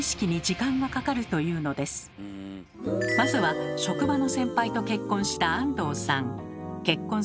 まずは職場の先輩と結婚した安藤さん。